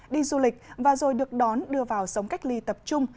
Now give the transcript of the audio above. đi du lịch và rồi được đón đưa vào sống cách ly tập trung